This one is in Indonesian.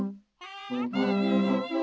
pertama suara dari biasusu